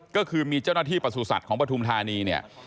ก็คือมีเจ้าหน้าที่ประสุทธิ์ของปฐุมธานีเนี่ย